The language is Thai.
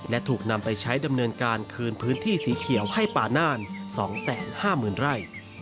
และถูกนำไปใช้ดำเนินการคืนพื้นที่สีเขียวให้ป่าน่าน๒๕๐๐๐ไร่